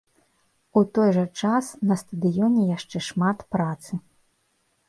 У той жа час, на стадыёне яшчэ шмат працы.